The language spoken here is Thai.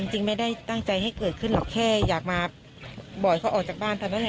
จริงไม่ได้ตั้งใจให้เกิดขึ้นหรอกแค่อยากมาบ่อยเขาออกจากบ้านตอนนั้น